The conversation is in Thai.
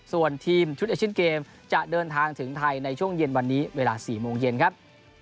ส่วนทีมชุดเอเชียนเกมจะเดินทางถึงไทยในช่วงเย็นวันนี้เวลา๔โมงเย็นครับ